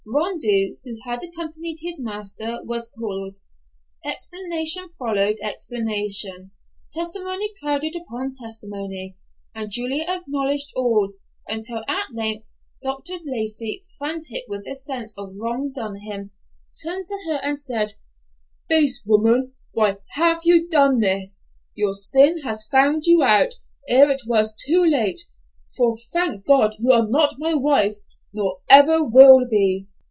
Rondeau, who had accompanied his master, was called. Explanation followed explanation, testimony crowded upon testimony, and Julia acknowledged all, until at length Dr. Lacey, frantic with the sense of wrong done him, turned to her and said, "Base woman, why have you done this? Your sin has found you out ere it was too late; for, thank God, you are not my wife, nor ever will be!"